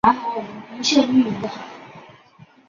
霍震寰也有少时海外求学的经历。